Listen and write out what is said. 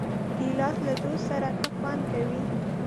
ګیلاس له دوست سره ښه خوند کوي.